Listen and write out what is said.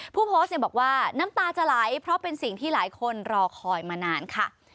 ผู้โพสต์เนี่ยบอกว่าน้ำตาจะไหลเพราะเป็นสิ่งที่หลายคนรอคอยมานานค่ะ